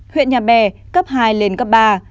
huyện nhà bè cấp hai lên cấp ba